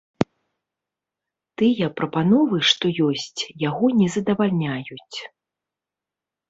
Тыя прапановы, што ёсць, яго не задавальняюць.